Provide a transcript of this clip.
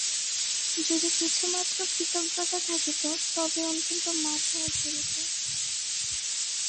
যদি কিছুমাত্র কৃতজ্ঞতা থাকিত তবে অন্তত মাথাও ধরিত।